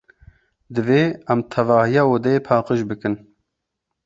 Divê em tevahiya odeyê paqij bikin.